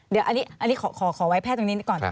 เดี๋ยวอันนี้ขอไว้แพทย์ตรงนี้ก่อน